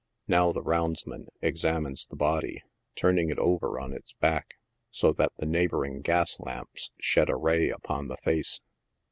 Now the roundsman examines the body, turning it over on its back, so that the neighboring gas lamps shed a ray upon the face.